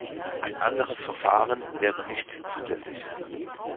Ein anderes Verfahren wäre "nicht" zulässig.